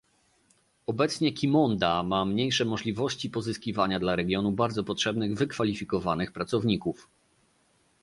Obecnie Qimonda ma mniejsze możliwości pozyskiwania dla regionu bardzo potrzebnych wykwalifikowanych pracowników